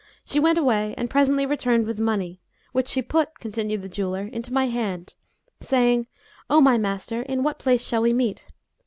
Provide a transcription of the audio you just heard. she went away and presently returned with the money, which she put" (continued the jeweller) "into my hand, saying, 'O my master, in what place shall we meet?'